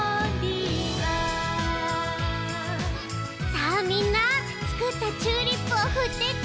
さあみんなつくったチューリップをふってち。